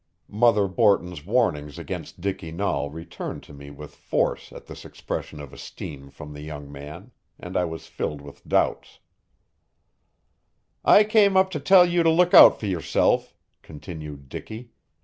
Mother Borton's warnings against Dicky Nahl returned to me with force at this expression of esteem from the young man, and I was filled with doubts. "I came up to tell you to look out for yourself," continued Dicky.